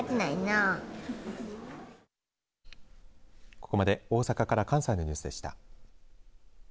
ここまで大阪から関西のニュースでした。